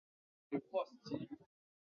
幸运薛达是一个位于荷兰锡塔德的球会。